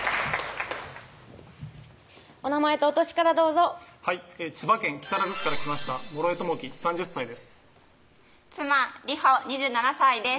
お名前とお歳からどうぞはい千葉県木更津市から来ました諸江智輝３０歳です妻・莉帆２７歳です